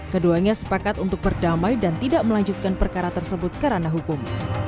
keduanya sepakat untuk berdamai dan tidak melanjutkan perkara tersebut karena hukum